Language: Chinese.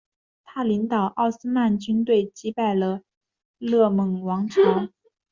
他领导奥斯曼军队击败了尕勒莽王朝。